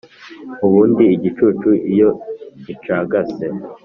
ubundi igicuku iyo gicagase